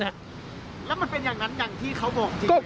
แล้วมันเป็นอย่างนั้นอย่างที่เขาบอกจริง